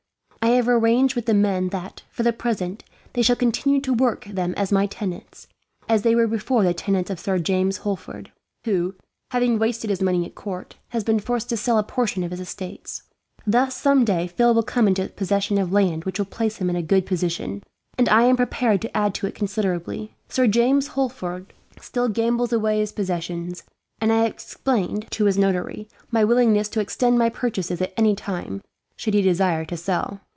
I have arranged with the men that, for the present, they shall continue to work them as my tenants, as they were before the tenants of Sir James Holford; who, having wasted his money at court, has been forced to sell a portion of his estates. Thus, some day Phil will come into possession of land which will place him in a good position, and I am prepared to add to it considerably. Sir James Holford still gambles away his possessions; and I have explained, to his notary, my willingness to extend my purchases at any time, should he desire to sell.